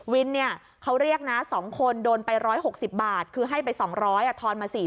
วินเนี่ยเขาเรียกนะ๒คนโดนไป๑๖๐บาทคือให้ไป๒๐๐ทอนมา๔๐๐